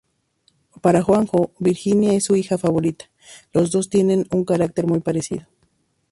Para Juanjo Virginia es su hija favorita, Los dos tienen un carácter muy parecido.